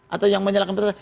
atau yang menyalakan petasan